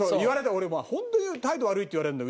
俺ホントに態度悪いって言われるんだよ。